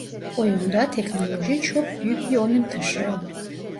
Oyunda teknoloji çok büyük bir önem taşıyor.